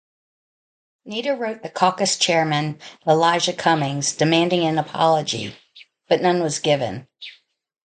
Nader wrote the caucus chairman, Elijah Cummings, demanding an apology, but none was given.